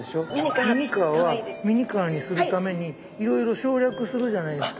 ミニカーはミニカーにするためにいろいろ省略するじゃないですか。